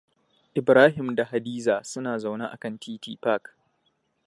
Ibrahim da Hadiza suna zaune a kan titi Park.